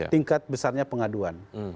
tingkat besarnya pengaduan